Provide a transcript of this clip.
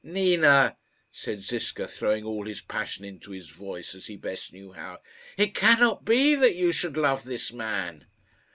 "Nina," said Ziska, throwing all his passion into his voice, as he best knew how, "it cannot be that you should love this man."